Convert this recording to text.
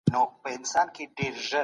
کوچنی کار لویه نتيجه لري